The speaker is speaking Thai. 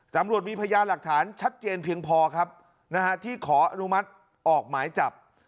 ตำรวจมีพยานหลักฐานชัดเจนเพียงพอครับนะฮะที่ขออนุมัติออกหมายจับ